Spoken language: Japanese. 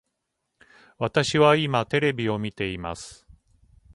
私は今テレビを見ています